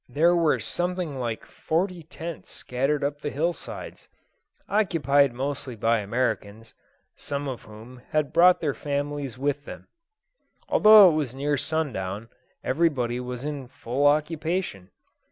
There were something like forty tents scattered up the hill sides, occupied mostly by Americans, some of whom had brought their families with them. Although it was near sundown, everybody was in full occupation.